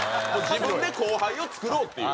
自分で後輩を作ろうっていう。